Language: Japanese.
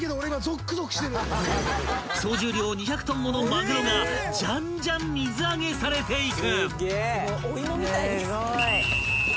［総重量２００ｔものまぐろがじゃんじゃん水揚げされていく］